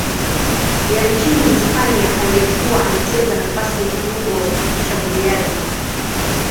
ya nchini Hispania aliyekuwa anacheza nafasi ya kiungo mshambuliaji.